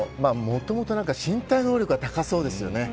もともと身体能力が高そうですよね。